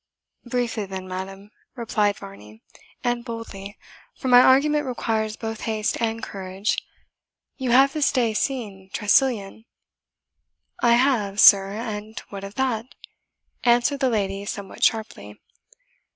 "Briefly then, madam," replied Varney, "and boldly, for my argument requires both haste and courage you have this day seen Tressilian?" "I have, sir and what of that?" answered the lady somewhat sharply.